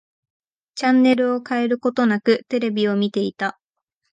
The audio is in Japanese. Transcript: チャンネルを変えることなく、テレビを見ていた。